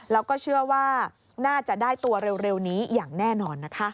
แล้วก็เชื่อว่าน่าจะได้ตัวเร็วนี้อย่างแน่นอนนะคะ